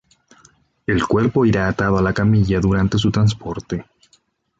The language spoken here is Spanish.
El cuerpo irá atado a la camilla durante su transporte.